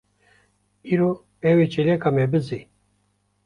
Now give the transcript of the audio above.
Îro ew ê çêleka me bizê.